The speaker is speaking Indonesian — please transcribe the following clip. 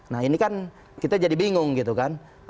nah ini kan kita jadi bingung gitu kan